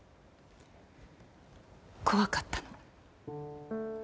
怖かったの。